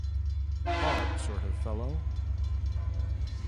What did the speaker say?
Odd sort of fellow!